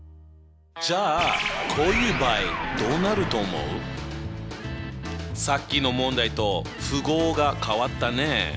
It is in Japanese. じゃあさっきの問題と符号が変わったね。